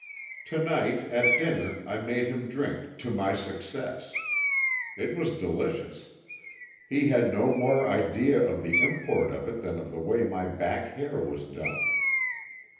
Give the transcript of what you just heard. To night, at dinner I made him drink "to my success." It was delicious. He had no more idea of the import of it than of the way my back hair was done.